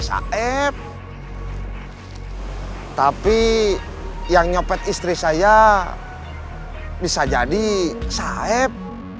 saeb tapi yang nyopet istri saya bisa jadi saeb